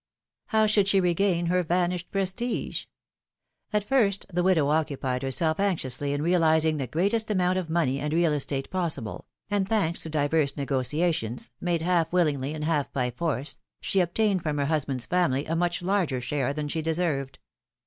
How should she regain her vanished prestige At first the widow occupied herself anxiously in realizing the greatest amount of money and real estate possible, and, thanks to divers negotiations, made half willingly and half by force, she obtained from her liusband^s family a much larger share than she deserved.